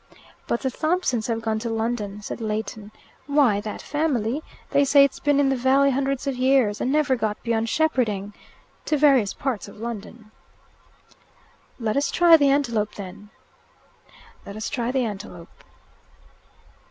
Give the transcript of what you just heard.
"But the Thompsons have gone to London," said Leighton. "Why, that family they say it's been in the valley hundreds of years, and never got beyond shepherding. To various parts of London." "Let us try The Antelope, then." "Let us try The Antelope."